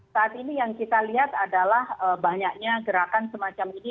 saat ini yang kita lihat adalah banyaknya gerakan semacam ini